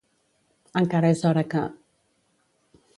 Encara és hora que.